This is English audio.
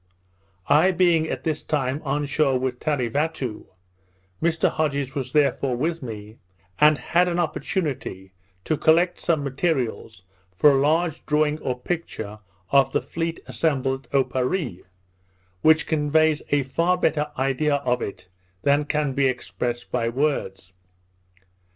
I being at this time on shore with Tarevatoo, Mr Hodges was therefore with me, and had an opportunity to collect some materials for a large drawing or picture of the fleet assembled at Oparree, which conveys a far better idea of it than can be expressed by words.